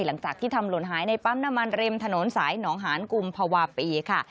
หลังจากที่ทำหล่นหายในปั๊มน้ำมันริมถนนสายหนองหานกุมภาวะปีค่ะ